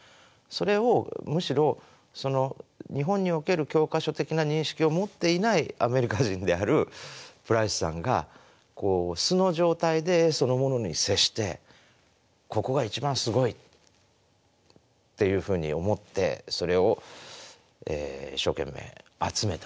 それをむしろ日本における教科書的な認識を持っていないアメリカ人であるプライスさんが素の状態で絵そのものに接してここが一番すごいっていうふうに思ってそれを一生懸命集めたわけですよね。